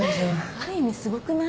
ある意味すごくない？